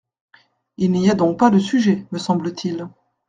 Il n’y a donc pas de sujet, me semble-t-il.